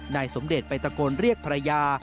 นายสมเดชไปตะโกนเรียกภรรยา